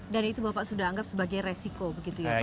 dan itu bapak sudah anggap sebagai resiko begitu ya pak